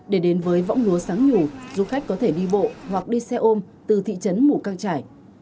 để đến với võng lúa sáng nhủ du khách có thể đi bộ hoặc đi xe ôm từ thị trấn mù căng trải